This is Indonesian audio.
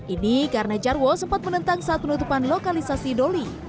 ini karena jarwo sempat menentang saat penutupan lokalisasi doli